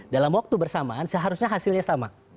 dalam waktu bersamaan seharusnya hasilnya sama